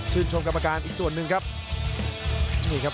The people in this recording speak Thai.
ชื่นชมกรรมการอีกส่วนนึงครับ